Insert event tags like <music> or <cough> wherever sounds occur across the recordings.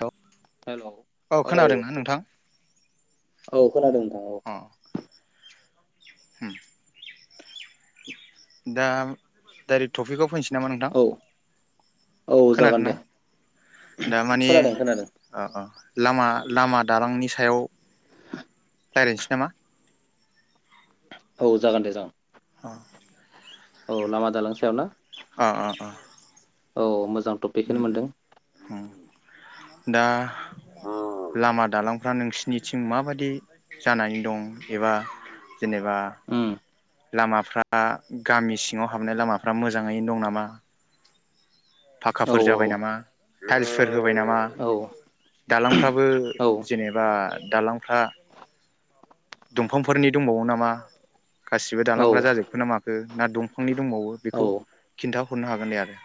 Hello hello औ खोनादोंना नोंथां? औ खोनादों नोंथां औ। होम दा डाइरेक्ट टफपिकआव फैनोस नामा नोंथां? औ जागोन खोनादों ना? दे दा मानि खोनादों खोनादों अह अह लामा लामा दालांनि सायाव <unintelligible> रायलायनोसै नामा? औ जागोन दे जागोन। औ औ लामा दालां सायाव ना? अ अ अ औ मोजां। मोजां टपिकखोनो मोनदों। उम दा लामा दालांफ्रा नोंसिनिथिं माबादि जानानै दं एबा जेनेबा उम लामाफ्रा गामि सिङाव हाबनाय लामाफ्रा मोजाङैनो दं नामा? औ फाखाफोर जाबाय नामा? औ <unintelligible> होबाय नामा? दालांफ्राबो औ जेनेबा दालांफ्रा दंफांफोरनि दंबावो नामा? गासिबो दालांफोरा औ जाजोबखो ना माखो ना दंफांनि दंबावो? बेखौ औ खिन्थाहरनो हागोन दे आरो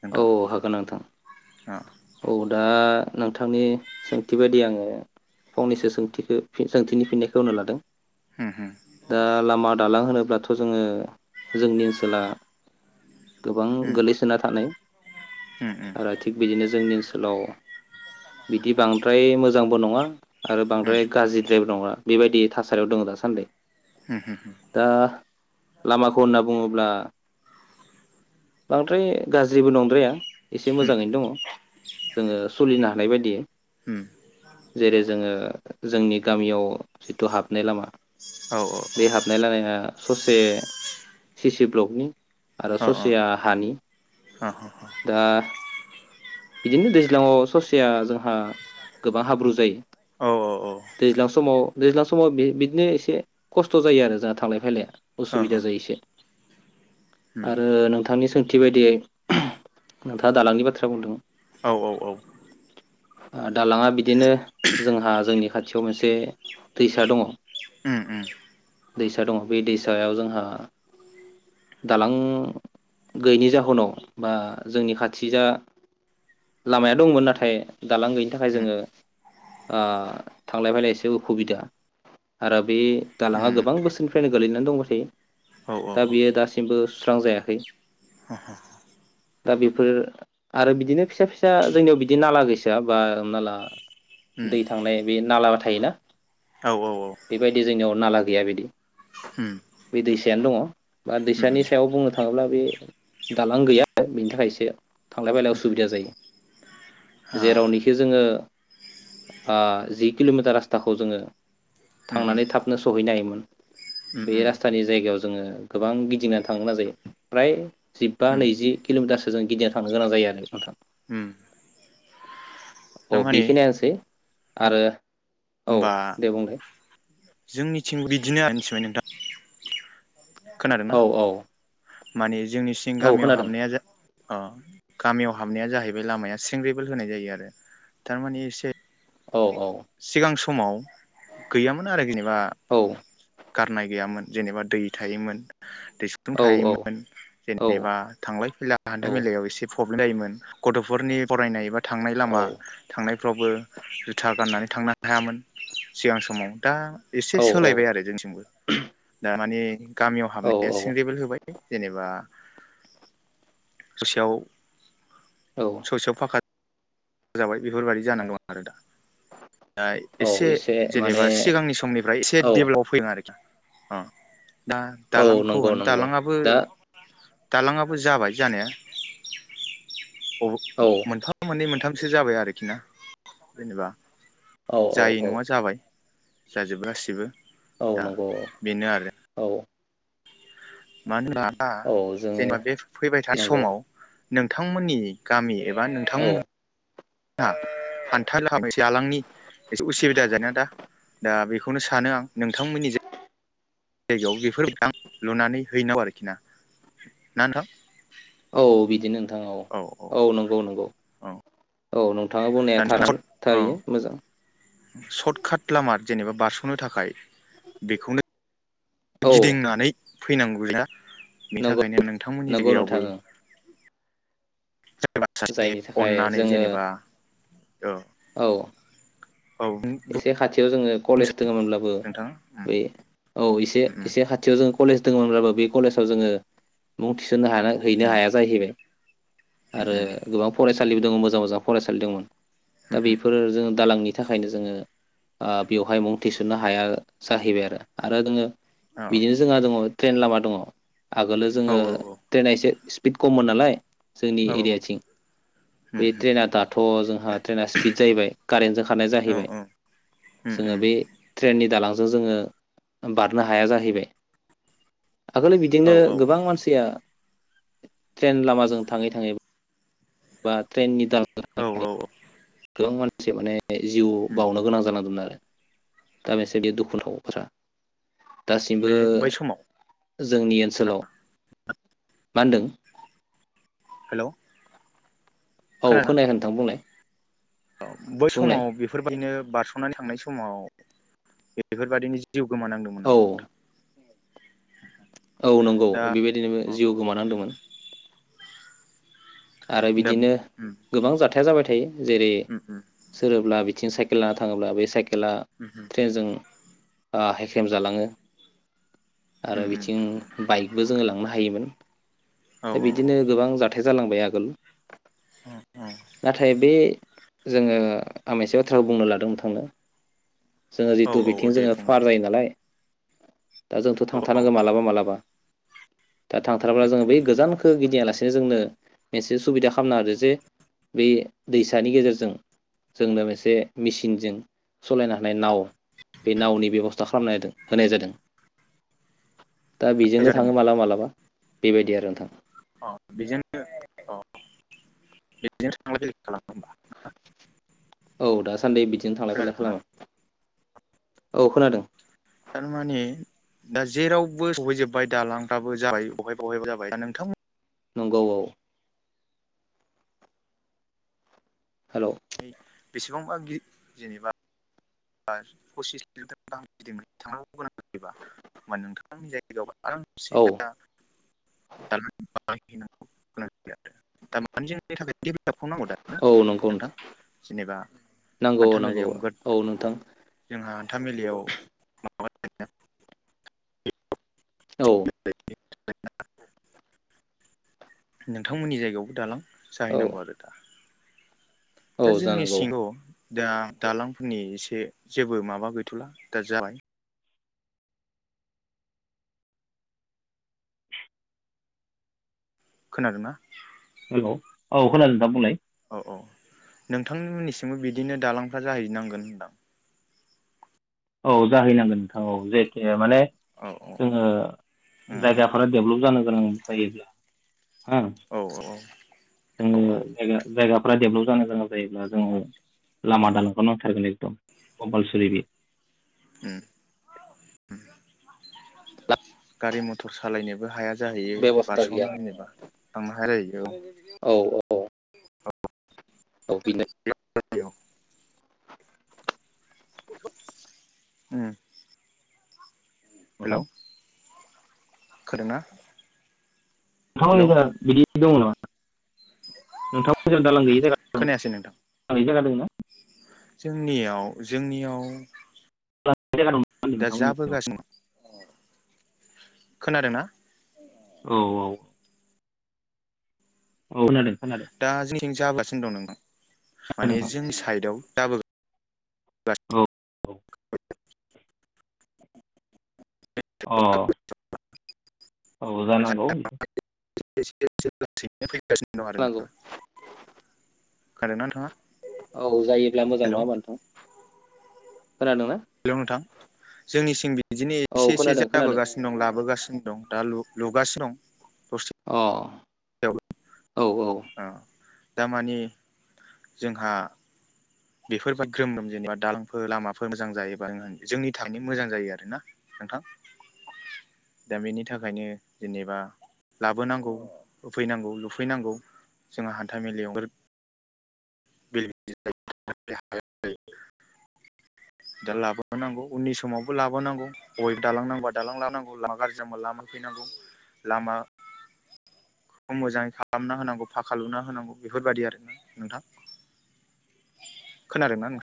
नोंथां औ हागोन नोंथां अ औ दा नोंथांनि सोंथि बायदि आङो फंनैसो सोंथिखो सोंथिनि फिननायखौ होनो लादों। उम दा लामा दालां होनो अब्लाथ' जोङो जोंनि ओनसोला गोबां गोलैसोना थानाय उम उम आरो थिग बिदिनो जोंनि ओन सोलाव बिदि बांद्राय मोजांबो नङा आरो बांद्राय गाज्रि द्राय नङा बेबायदि थासारियाव दङ दासान्दै होम होम लामाखौ होनना बुङोब्ला बांद्राय गाज्रिबो नंद्राया एसे मोजाङैनो दङ जोङो नो हानाय बायदि उम जेरै जोङो जोंनि गामियाव जिथु हाबनाय लामा औ औ बे हाबनाय लामाया ससे सिसि ब्लकनि आरो ससिया हानि अ दा बिदिनो दैज्लां आव ससेया जोंहा गोबां हाब्रु जायो। औ औ औ दैज्लां समाव दैज्लां समाव बि बिदिनो एसे खस्थ' जायो आरो जोंहा थांलाय फैलाया अ अ असुबिदा जायो एसे उम आरो नोंथांनि सों थि बायदियै नोंथाङा दालांनि बाथ्रा बुंदों औ औ औ हो दालाङा बिदिनो जोंहा जोंनि खाथि खाथियाव मोनसे दैसा दङ उम उम दैसा दङ बे दैसायाव जोंहा दालां गैयिनि जाहोनाव बा जोंनि खाथि जा लामायाव दंमोन नाथाय दालां गैयिनि थाखाय उम जोङो ओ थांलाय फैलाय एसे उसुबिदा आरो बे दालाङा उम गोबां बोसोरनिफ्रायनो गोलै नानै दंबाथायो औ औ औ अ दा बियो दासिमबो सुस्रां जायाखै दा बेफोर आरो बिदिनो फिसा फिसा जोंनियाव बिदि नाला गैसोआ बा हमना ला उम दै थांनाय बे नालाबाथ थायोना औ औ औ बेबायदि जोंनियाव नाला गैया बिदि उम बे दैसायानो दङ' बा उम अ दैसानि उम सायाव बुंनो थां थाङोब्ला बे दालां गैया बेनि थाखायसो थांलाय फैलाय उसुबिदा जायो जेरावनोखि जोङो ओ आ जि किल'मिटार रासथाखौ जोङो थांनानै उम थाबनो सहैनो हायोमोन बे उम राजास्तानि जायगायाव जोङो गोबां गिदिंनानै थांगोना जायो फ्राय जिबा उम नैजि किल'मिटार गोजान गिदिंना थांनो गोनां जायो आरो नोंथां हम अ बेखिनियानोसै आरो औ दे बुंनाय जोंनिथिंबो बिदिनो आरो मिथिबाय नोंथां खोनादोंना औ औ माने जोंनि सिं औ गामियाव खोनादों हाबनाया जा अ गामियाव हाबनाया जाहैबाय लामाया सेंग्रेबोल होनाय जायो आरो थारमानिे एसे औ औ सिगां समाव गैयामोन आरो जेनेबा औ गारनाय गैयामोन जेनेबा दै थायोमोन‌ दैस्लुं औ थायोमोन औ जेनेबा थांलाय फैलाय औ हान्था मेलायाव एसे‌ प्रब्लेम जायोमोन गथ'फोरनि फरायनाय एबा थांनाय लामा थांनाय फोरावबो जुथा गाननानै थांनो हायामोन सिगां समाव दा एसे सोलायबाय औ आरो जोंनिथिंबो दामाने‌ गामियाव औ हाबनाया सिंग्रिबोल होबाय। जेनेबा ससेयाव। औ ससेयाव फाखा। जाबाय बेफोरबायदि जानानै दं आरो दा। दा औ एसे माने जेनेबा सिगांनि समनिफ्राय एसे औ डेभेलप फैदों आरो <unintelligible> ओ दा औ दालांखौ नंगौ होन नंगौ दालाङाबो। दा दालाङाबो जाबाय जानाया। औ मोनफा मोननै मोनथाम। सो जाबाय आरोखि ना जेनेबा। औ औ जायै औ नङा जाबाय। जाजोब गासिबो। औ दा नंगौ बेनो आरो औ। <unintelligible> दा औ जोङो जेनेबा बे फैबाय थानाय नंगौ समाव। नोंथांमोननि गामि बा नोंथां। औ <unintelligible> <unintelligible> औ बिदिनो नोंथां औ औ नंगौ नंगौ। औ औ नोंथाङा बुंनाया थार थारैनो मोजां। सतकाट लामा जेनेबा बारस'नो थाखाय बेखौनो औ गिदिंनानै फैनांगुया बिनि नंगौ थाखायनो नोंथांमोननि नंगौ नोंथां जायगायावबो ओं सोरबा सासे जायनि थाखाय अन्नानै जोङो जेनेबा औ। औ। औ। <unintelligible> याव जोङो कलेज बुंसै दङोमोनब्लाबो नोंथाङा बे औ एसे औ एसे खाथियाव जों कलेज दोङोमोनब्लाबो बे कलेजाव जोङो मुं थि होनो हाया हैनो हाया जाहैबाय आरो गोबां फरासालि दङ मोजां मोजां फरायसालि दोंमोन दा बेफोर जोङो दालांनि थाखायनो जोङो ओ बेवहाय मुं थिसननो हाया जाहैबाय आरो आरो जोङो बिदिनो जोंहा दङ ट्रेइन लामा दङ आगोलो जोङो औ औ ट्रेना एसे बिद खममोन नालाय जोंनि औ एरियाथिं बे ट्रेना दाथ' जोंहा ट्रेना स्पिड जाहैबाय कारेन्टजों खारनाय जाहैबाय जोङो बे ट्रेननि दालां जोङो बारनो हाया जाहैबाय। आगोलो बिदिनो गोबां मानसिया ट्रेन लामाजों थाङै थाङै बा ट्रेननि औ <unintelligible> औ गोबां मानसि माने बे जिउ बावनो गोनां जानांदोंमोन आरो। दा बेसेदि दुखु नाव फोरा दासिमबो बे बै समाव जोंनि ओनसोलाव मा होनदों? हेलौ औ खोनायाखै नोंथां बुंलाय औ बै बुंलाय समाव बेफोरबायदिनो बारसनानै थांनाय समाव जिउ गोमानांदोंमोन नामा औ नोंथां? औ नंगौ दा बेबायदिनो जिउ अ गोमानांदोंमोन आरो दा बिदिनो उम गोबां जाथाया जाबाय थायो जेरै उम उम सोरोब्ला लाना थाङोब्ला बे साइकेल खेला उम ट्रेन जों ओ हेख्रेम जालाङो आरो उम उम बिथिं बाइकबो जोङो लांनो हायोमोन औ <inaudible> दा बिदिनो गोबां जा थाइ जालांबाय आ गोल औ नाथाय बे जोङो आं मोनसे बाथ्रा बुंनो लादों नोथांनो। जोङो औ जिथु औ औ बिथिं दे जोङो बुं दे फार जायो नालाय दा जोंथ औ थांथारनांगोन मालाबा मालाबा दा थांथारबा जोङो बे गोजानखो गिदिङालासे जोंनो मोनसे सुबिदा खालामना होदो जे बे दैसानि गेजेरजों जोंनो मोनसे मेचिनजों सलायनो हानाय नाव बे नावनि बेबस्था खालामना होदों होनाय जादों। दा बिजोंनो थाङो जादोंमोन मालाबा मालाबा। बेबायदि आरो नोंथां। अ बेजोंनो अ बेजोंनो थांलाय फैलाय खालामो होमबा ना औ दासान्दि बिदिनो थांलाय फैलाय खालामो। औ खोनादों। थारमाने दा जेरावबो सहैजोबबाय दालांफ्राबो जाबाय बहायबा बहायबा जाबाय दा नोंथांमोन नंगौ औ हेल' बेसेबांबा गि जेनेबा बा पसिस किलमिटार गाहाम गिदोंना थांनांगौ गोनां जायोबा होमबा नोंथांमोननि जायगायाव आरामसे औ दा <inaudible> <unintelligible> <inaudible> नांगौ दा ना औ नंगौ नोंथां जेनेबा नांगौ औ नांगौ हान्थामेलायाव औ नोंथां जोंहा हान्था मेलायाव <inaudible> औ <unintelligible> नोंथांमोननि जायगायावबो दालां औ जाहैनांगौ आरो दा दा औ जोंनि जानांगौ सिङाव दा दालांफोरनि एसे जेबो माबा गैथ'ला दा जाबाय। खोनादोंना? हेल' औ खोनादों नोंथां बुंलाय। औ औ नोंथांमोननिसिमबो बिदिनो दालांफ्रा जाहैनांगोन होनदां। औ जाहैनांगोन नोंथां औ जेखे माने औ औ जोङो औ जायगाफोरा डेभेलप जानो गोनां जायोब्ला औ औ औ औ जोंनिनो जायगा जायगा फोरा डेभलप जानो गोनां जायोब्ला जोङो उम लामा दालांखौ नांथारगोन कम-कमपालसारिलि उम उम। दा गारि मथर सालायनोबो हाया जाहैयो बेब'स्था गैया बारस'ना होयोबा ना मा जाहैयो। औ औ औ। औ बिनो <unintelligible> उम। हेलौ नोंथां खोनादोंना? हेलौ आंनिबा बिदि दङ ना। नोंथांमोनजों दालां गैयि खोनायासै नोंथां जायगा दं <unintelligible> <unintelligible> जोंनियाव जोंनियाव दालां गैयि जायगा दं दा नोंथांमोननि जायगायाव जाबोगासिनो खोनादों ना? औ औ। औ खोनादों। खोनादों दा जोंनि थिं जागासिनो दं नोंथां। माने खोनादों जोंनि साइडआव जाबो <unintelligible> नोंथां अ' औ जानांगौ। <unintelligible> गासिनो दं आरो ना। नांगौ खोनादों ना नोंथाङा? औ जायोब्ला मोजां हेल' नङा होनबा नोंथां? खोनादोंना हेल' नोंथां जोंनिसिम बिदिनो एसे औ एसे खोनादों खोनादों जाबोगासिनो दं लाबोगासिनो दं दा लु लुगासि दं। दसेयाव अह। <unintelligible> अ दा मानिे जोंहा बेफोरबाद ग्रोम ग्रोम जेनेबा दालांफोर लामाफोर मोजां जायोबा जोंनि थांनो मोजां जायो आरोना नोंथां दा बेनि थाखायनो जेनेबा लाबोनांगौ होफैनांगौ लुफैनांगौ जोंहा हान्थ मेलायाव <unintelligible> दा लाबोनांगौ उननि समावबो लाबोनांगौ अय दालां नांबा दालां लाबोनांगौ गाज्रि जबा लामा फैनांगौ लामा मोजाङै खालामना होनांगौ फाखा लुना होनांगौ बेफोरबायदि आरोना नोंथां खोनादों ना नोंथां?